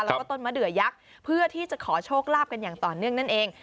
แล้วก็ต้นมะเดือยักษ์เพื่อที่จะขอโชคลาภกันอย่างต่อเนื่องนั่นเอง